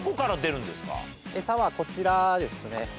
餌はこちらですね。